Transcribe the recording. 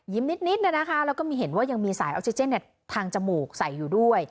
นิดนะคะแล้วก็มีเห็นว่ายังมีสายออกซิเจนทางจมูกใส่อยู่ด้วย